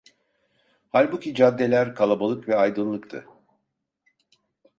Halbuki caddeler kalabalık ve aydınlıktı.